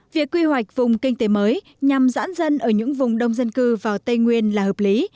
việc quy hoạch vùng kinh tế mới nhằm giãn dân ở những vùng đông dân cư vào tây nguyên là hợp lý